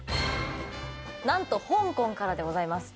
何と香港からでございます。